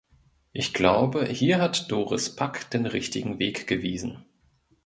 Ich glaube, hier hat Doris Pack den richtigen Weg gewiesen.